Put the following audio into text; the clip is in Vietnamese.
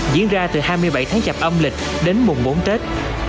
diễn ra từ hai mươi bảy tháng chạp âm lịch đến mùng bốn tết